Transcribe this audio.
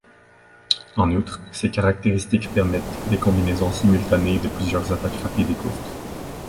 En outre, ses caractéristiques permettent des combinaisons simultanées de pluisieurs attaques rapides et courtes.